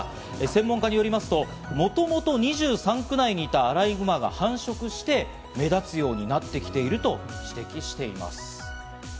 専門家によりますと、もともと２３区内にいたアライグマが繁殖して、目立つようになってきていると指摘しています。